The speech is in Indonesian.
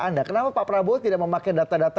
anda kenapa pak prabowo tidak memakai data data